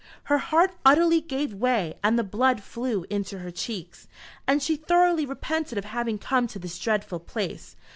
Her heart utterly gave way and the blood flew into her cheeks, and she thoroughly repented of having come to this dreadful place.